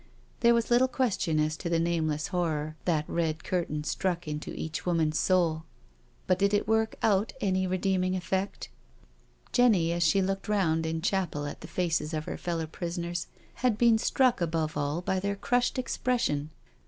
There was little question as to the nameless horror that red BEHIND PRISON BARS 259 curtain struck into each woman's soult But did it work out any redeeming effect? Jenny, as she looked round in chapel at the faces of her fellow prisoners, had been struck above all by their crushed expression.